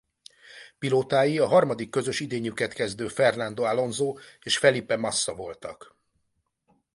Pilótái a harmadik közös idényüket kezdő Fernando Alonso és Felipe Massa voltak.